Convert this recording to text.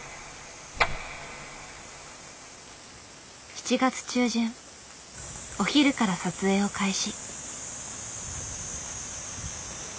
７月中旬お昼から撮影を開始。